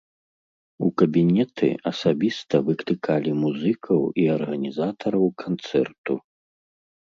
У кабінеты асабіста выклікалі музыкаў і арганізатараў канцэрту.